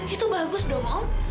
itu bagus dong om